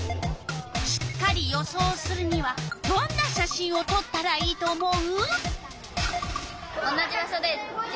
しっかり予想するにはどんな写真をとったらいいと思う？